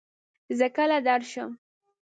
زۀ کله درشم ؟